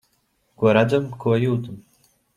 Ko redzam, ko jūtam.